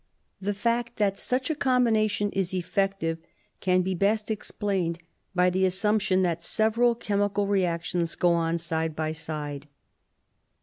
The fact that such a combination is effective can be best explained by the assumption that several chemical reactions go on side by side.